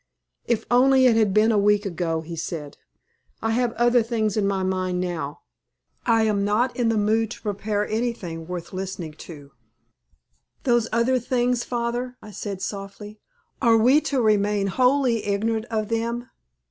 "If only it had been a week ago," he said. "I have other things in my mind now. I am not in the mood to prepare anything worth listening to." "Those other things, father," I said, softly. "Are we to remain wholly ignorant of them?